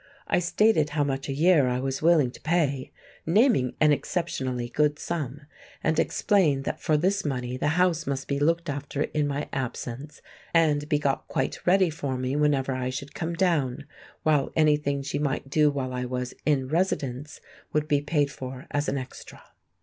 I stated how much a year I was willing to pay—naming an exceptionally good sum—and explained that for this money the house must be looked after in my absence, and be got quite ready for me whenever I should come down, while anything she might do while I was "in residence" would be paid for as an extra.